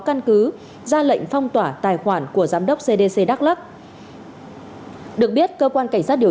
căn cứ ra lệnh phong tỏa tài khoản của giám đốc cdc đắk lắc được biết cơ quan cảnh sát điều